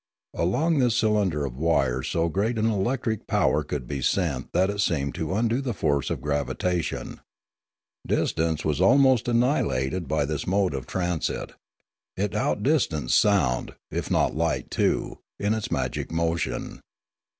Along this cylinder of wires so great an electric power could be sent that it seemed to undo the force of gravitation. 176 Limanora Distance was almost annihilated by this mode of transit. It outdistanced sound, if not light too, in its magic motion.